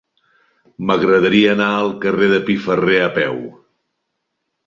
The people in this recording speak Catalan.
M'agradaria anar al carrer de Piferrer a peu.